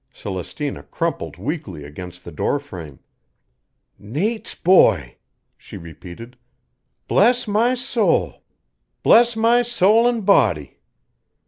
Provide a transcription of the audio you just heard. Celestina crumpled weakly against the door frame. "Nate's boy!" she repeated. "Bless my soul! Bless my soul an' body!"